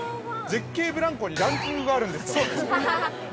◆絶景ブランコにランキングがあるんですか、そもそも。